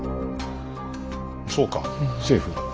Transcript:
そうか政府。